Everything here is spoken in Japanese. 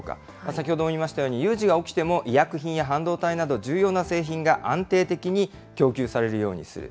先ほども言いましたように、有事が起きても、医薬品や半導体など、重要な製品が安定的に供給されるようにする。